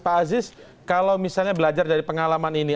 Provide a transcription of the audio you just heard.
pak aziz kalau misalnya belajar dari pengalaman ini